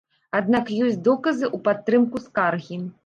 Аднак ёсць доказы ў падтрымку скаргі.